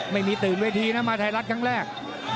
ไม่มีตื่นเวทีนะมาไทยรัฐครั้งแรก